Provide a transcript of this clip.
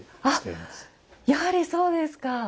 あっやはりそうですか。